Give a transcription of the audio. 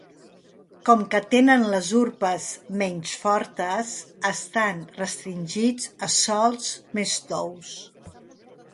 Com que tenen les urpes menys fortes, estan restringits a sòls més tous.